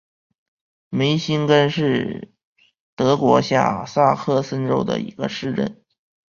梅辛根是德国下萨克森州的一个市镇。